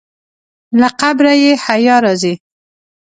له قبره یې حیا راځي.